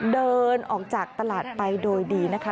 เดินออกจากตลาดไปโดยดีนะคะ